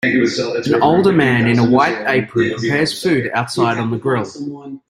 An older man in a white apron prepares food outside on the grill.